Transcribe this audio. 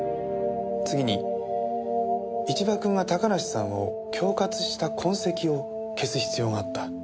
次に一場君が高梨さんを恐喝した痕跡を消す必要があった。